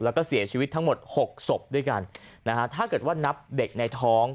แล้วก็เสียชีวิตทั้งหมดหกศพด้วยกันนะฮะถ้าเกิดว่านับเด็กในท้อง